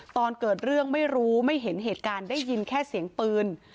ตอนเกิดเรื่องไม่รู้ไม่เห็นเหตุการณ์ได้ยินแค่เสียงปืน